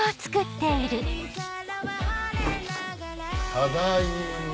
ただいま。